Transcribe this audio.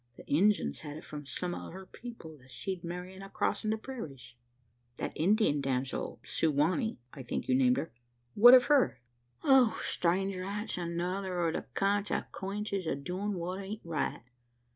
The Injuns had it from some o' her people, that seed Marian a crossin' the parairies." "That Indian damsel Su wa nee, I think you named her what of her?" "Ah! stranger, that's another o' the konsequences o' doin' what aint right.